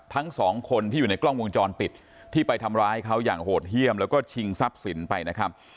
ทั้งสองคนที่อยู่ในกล้องวงจรปิดที่ไปทำร้ายเขาอย่างโหดเยี่ยมแล้วก็ชิงทรัพย์สินไปนะครับ